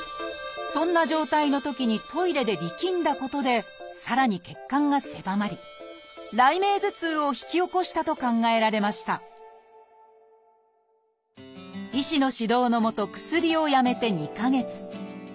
そんな状態のときにトイレで力んだことでさらに血管が狭まり雷鳴頭痛を引き起こしたと考えられました医師の指導のもと薬をやめて２か月。